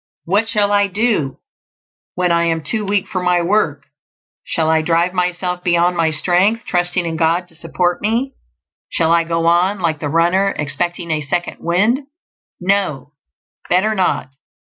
What shall I do when I am too weak for my work? Shall I drive myself beyond my strength, trusting in God to support me? Shall I go on, like the runner, expecting a "second wind"? No; better not.